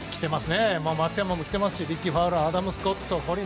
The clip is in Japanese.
松山も来ていますしリッキー・ファウラーアダム・スコットコリン・